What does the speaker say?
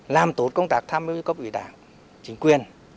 làm tốt công tác tham mưu cấp vị đảng chính quyền